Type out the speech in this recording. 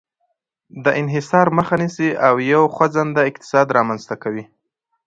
د انحصار مخه نیسي او یو خوځنده اقتصاد رامنځته کوي.